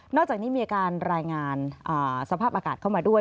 อกจากนี้มีอาการรายงานสภาพอากาศเข้ามาด้วย